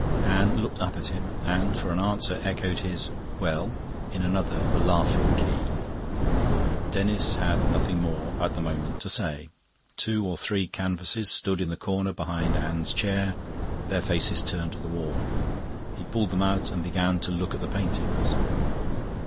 Anne looked up at him, and for answer echoed his "Well?" in another, a laughing key. Denis had nothing more, at the moment, to say. Two or three canvases stood in the corner behind Anne's chair, their faces turned to the wall. He pulled them out and began to look at the paintings.